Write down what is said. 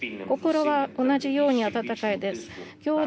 心は同じように温かいです。